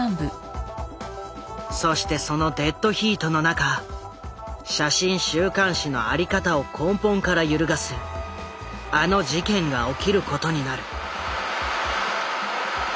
そしてそのデッドヒートの中写真週刊誌のあり方を根本から揺るがすあの事件が起きることになる。